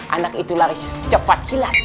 anak itu lari secepat kilat